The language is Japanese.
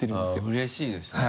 うれしいですね。